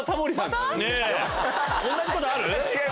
同じことある？